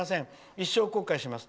一生後悔します。